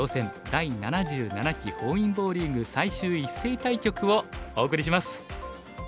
第７７期本因坊リーグ最終一斉対局」をお送りします。